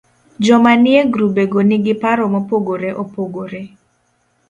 Joma nie grubego nigi paro mopogore opogre